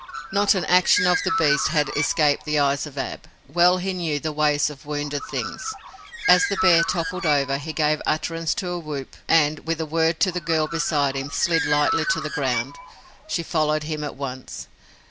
Not an action of the beast had escaped the eyes of Ab. Well he knew the ways of wounded things. As the bear toppled over he gave utterance to a whoop and, with a word to the girl beside him, slid lightly to the ground, she following him at once.